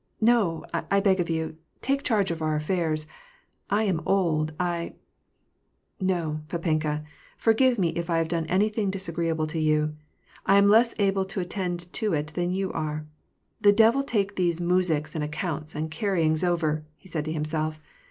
" No, I beg of you, take charge of our affairs ; I am old, I "—" No, pdpenka, forgive me if I have done anything disagree able to you ; I am less able to attend to it than you are. — The devil take these muzhiks, and accounts, and carryings over," he said to himself.